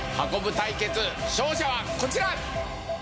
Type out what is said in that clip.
対決勝者はこちら！